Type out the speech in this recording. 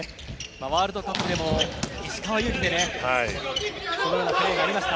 ワールドカップでも石川祐希でそのようなプレーがありました。